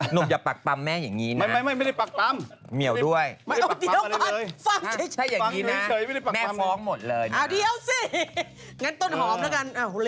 หนุ่มอย่าปักปั๊มแม่อย่างนี้นะ